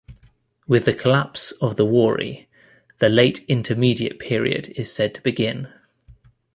With the collapse of the Wari, the Late Intermediate Period is said to begin.